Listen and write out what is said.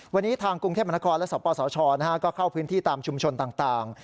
วันนี้ทางกรุงเทพมนครและสปสชก็เข้าพื้นที่ตามชุมชนต่าง